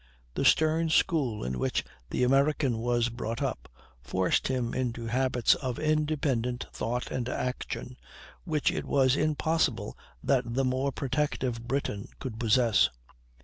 The stern school in which the American was brought up, forced him into habits of independent thought and action which it was impossible that the more protected Briton could possess.